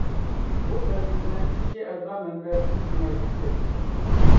بۇ بەلگىلىمە ئىچكى ئەزا مەنبەسىنى كېڭەيتتى.